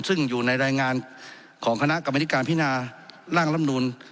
ซึ่งอยู่ในรายงานของคณะกรรมนิการพินาร่างลำนูล